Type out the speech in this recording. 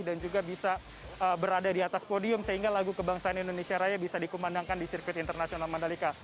dan juga bisa berada di atas podium sehingga lagu kebangsaan indonesia raya bisa dikembangkan di sirkuit internasional mandalika